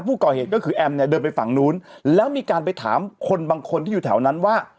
ผู้ก่อเหตุก็คือแอมเนี่ยเดินไปฝั่งนู้นแล้วมีการไปถามคนบางคนที่อยู่แถวนั้นว่า